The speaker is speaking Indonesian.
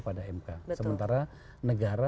pada mk sementara negara